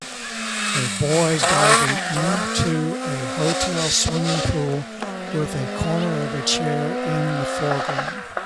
A boy diving in to a hotel swimming pool with a corner of a chair in the foreground